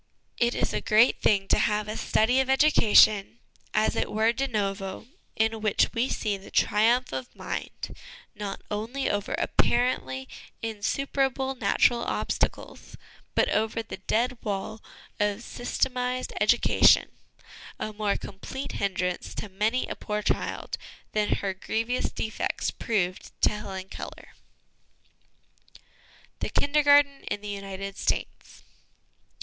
It is a great thing to have a study of educa tion as it were de novo, in which we see the triumph of mind, not only over apparently insuperable natural obstacles, but over the dead wall of systematised educa tion a more complete hindrance to many a poor child than her grievous defects proved to Helen Keller. The Kindergarten in the United States.